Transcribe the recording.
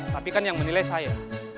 tapi kan yang menilai saya